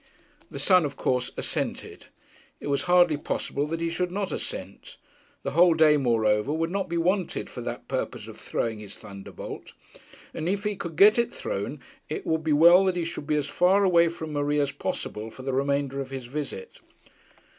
The son of course assented. It was hardly possible that he should not assent. The whole day, moreover, would not be wanted for that purpose of throwing his thunderbolt; and if he could get it thrown, it would be well that he should be as far away from Marie as possible for the remainder of his visit.